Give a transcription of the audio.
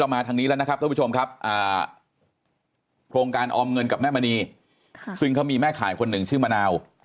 มาทางนี้แล้วนะครับท่านผู้ชมครับโครงการออมเงินกับแม่มณีซึ่งเขามีแม่ขายคนหนึ่งชื่อมะนาว